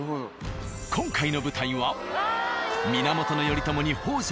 今回の舞台は源頼朝に北条政子